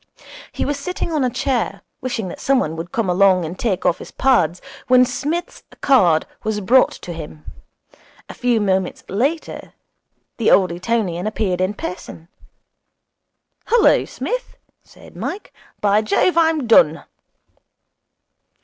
He was sitting on a chair, wishing that somebody would come along and take off his pads, when Psmith's card was brought to him. A few moments later the old Etonian appeared in person. 'Hullo, Smith,' said Mike, 'By Jove! I'm done.'